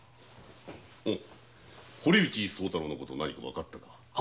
堀内宗太郎の事何かわかったか？